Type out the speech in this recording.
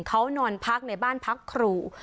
เขานอนพักในบ้านพักครู